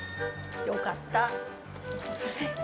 よかった。